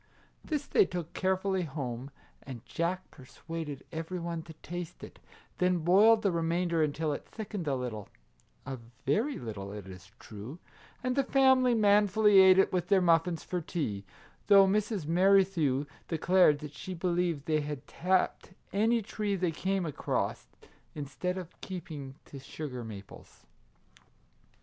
This they took 117 i iS Our Little Canadian Cousin carefully home, and Jack persuaded every one to taste it, then boiled the remainder until it thickened a little, — a very little, it is true, — and the family manfully ate it with their muf fins for tea, though Mrs. Merrithew declared that she believed they had tapped any tree they came across, instead of keeping to sugar maples.